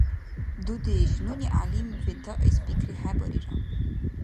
– Дудеш, нуни гӀялим ветаэс пикрихӀебарира...